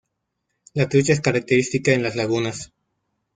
La trucha es característica en las lagunas.